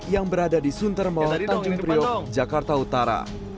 yang berada di sunter mall tanjung priok jakarta utara